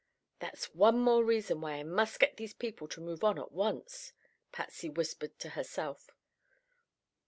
"That's one more reason why I must get these people to move on at once," Patsy whispered to herself.